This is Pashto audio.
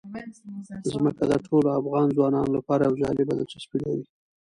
ځمکه د ټولو افغان ځوانانو لپاره یوه جالبه دلچسپي لري.